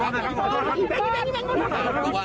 พิชชาย